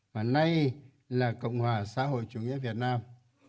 và nay là cộng hòa xã hội chủ nghĩa việt nam